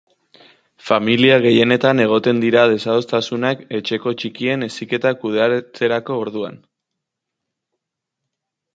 Familia gehienetan egoten dira desadostasunak etxeko txikien heziketa kudeatzerako orduan.